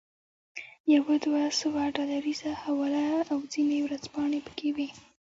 یوه دوه سوه ډالریزه حواله او ځینې ورځپاڼې پکې وې.